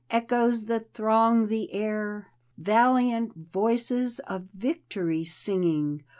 Echoes that throng the air. Valiant voices, of victory singing.